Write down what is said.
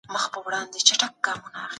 خدای دې وکړي چي غریبي ختمه سي.